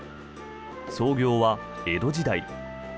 創業は江戸時代。